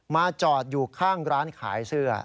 จอดอยู่ข้างร้านขายเสื้อ